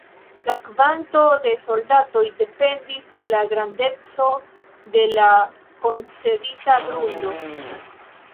La kvanto de soldatoj dependis de la grandeco de la koncedita grundo.